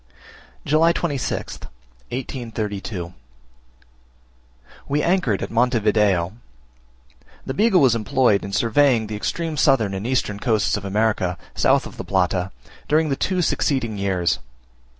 July 26th. We anchored at Monte Video. The Beagle was employed in surveying the extreme southern and eastern coasts of America, south of the Plata, during the two succeeding years.